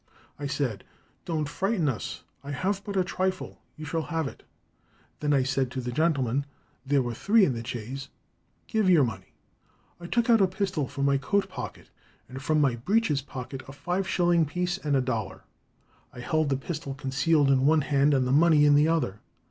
I said, 'Don't frighten us, I have but a trifle—you shall have it.' Then I said to the gentlemen,—there were three in the chaise,—'Give your money.' I took out a pistol from my coat pocket, and from my breeches pocket a five shilling piece and a dollar. I held the pistol concealed in one hand and the money in the other.